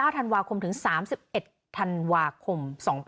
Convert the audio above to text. ธันวาคมถึง๓๑ธันวาคม๒๕๖๒